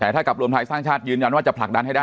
แต่ถ้ากับรวมไทยสร้างชาติยืนยันว่าจะผลักดันให้ได้